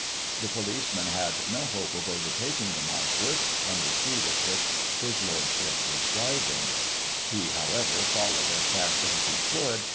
The policeman had no hope of overtaking the Marquis, from the speed at which his lordship was driving; he, however, followed as fast as he could, and.